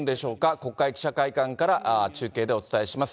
国会記者会館から、中継でお伝えします。